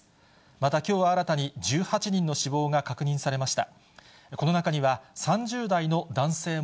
またきょう新たに１８人の死亡が確認されました。